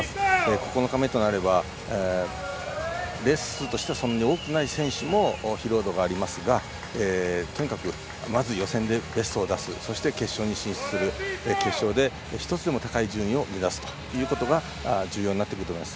９日目となればレース数としてはそんなに多くない選手も疲労度がありますがとにかくまず予選でベストを出すそして決勝に進出する決勝で１つでも高い順位を目指すということが重要になってくると思います。